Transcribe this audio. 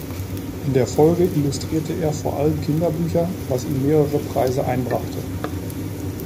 In der Folge illustrierte er vor allem Kinderbücher, was ihm mehrere Preise einbrachte.